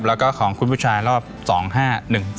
แล้วก็ของคุณผู้ชายน่า๒๕๑๔